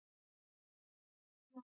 جوار ژیړ دي.